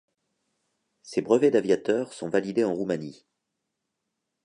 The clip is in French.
Ses brevets d'aviateur sont validés en Roumanie.